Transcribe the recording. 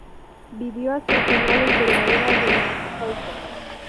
Vivió hacia finales de la era del Mesozoico.